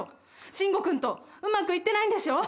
シンゴ君とうまくいってないんでしょ。